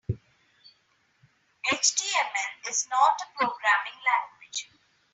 HTML is not a programming language.